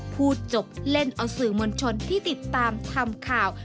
พูดจบเล่นเอาสื่อมวลชนที่ติดตามทำข่าว